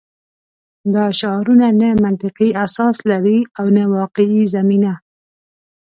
دا شعارونه نه منطقي اساس لري او نه واقعي زمینه